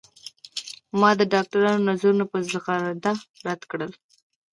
ما د ډاکترانو نظرونه په زغرده رد کړل.